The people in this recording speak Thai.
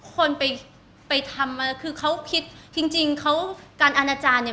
คนไปทำคือเขาคิดจริงการอาจารย์เนี่ย